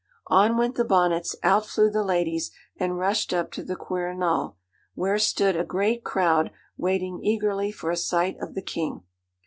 On went the bonnets, out flew the ladies, and rushed up to the Quirinal, where stood a great crowd waiting eagerly for a sight of the King.